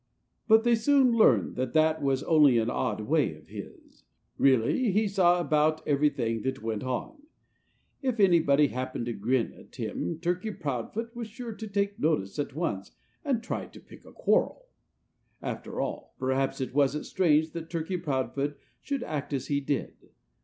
But they soon learned that that was only an odd way of his. Really, he saw about everything that went on. If anybody happened to grin at him Turkey Proudfoot was sure to take notice at once and try to pick a quarrel. After all, perhaps it wasn't strange that Turkey Proudfoot should act as he did.